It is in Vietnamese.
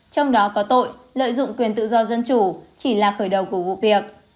trong đó có tội lợi dụng quyền tự do dân chủ chỉ là khởi đầu của vụ việc